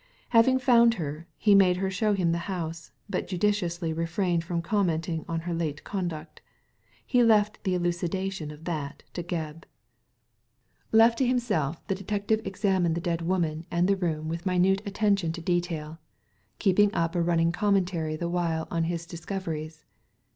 Having found her, he made her show him the house, but judiciously refrained from commenting on her late conduct He left the elucidation of that to Gebb. Left to himself, the detective examined the dead Digitized by Google i6 THE LADY FROM NOWHERE woman and the room with minute attention to detail, keeping up a running commentary the while on his discoveries.